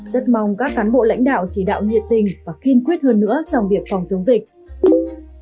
rất mong các cán bộ lãnh đạo chỉ đạo nhiệt tình và kiên quyết hơn nữa trong việc phòng chống dịch